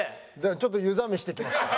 ちょっと湯冷めしてきましたね。